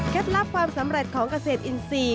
แค้นลับความสำเร็จของเกษตรอินซี